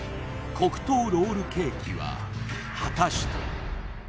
黒糖ロールケーキは果たして！？